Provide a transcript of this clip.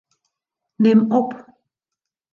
Nim op.